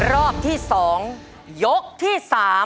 รอบที่๒ยกที่๓